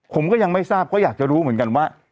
ผมก็ยังไม่ทราบก็อยากจะรู้เหมือนกันว่า